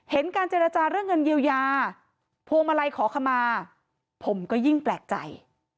การเจรจาเรื่องเงินเยียวยาพวงมาลัยขอขมาผมก็ยิ่งแปลกใจ